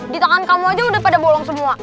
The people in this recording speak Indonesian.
di tangan kamu aja udah pada bolong semua